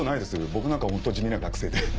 僕なんかホント地味な学生で。